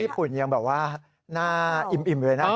แล้วคุณแดดดี้ปุ่นยังบอกว่าหน้าอิ่มเลยนะ